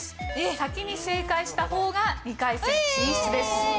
先に正解した方が２回戦進出です。